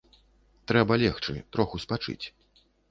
Трэба легчы, троху спачыць.